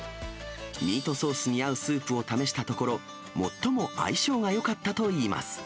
ミートソースに合うスープを試したところ、最も相性がよかったといいます。